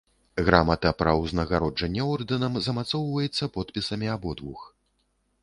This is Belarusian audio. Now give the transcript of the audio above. Грамата пра ўзнагароджанне ордэнам змацоўваецца подпісамі абодвух.